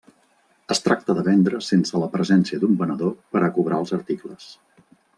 Es tracta de vendre sense la presència d'un venedor per a cobrar els articles.